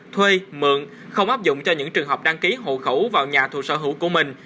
thuê mượn không áp dụng cho những trường hợp đăng ký hộ khẩu vào nhà thu sở hữu của mình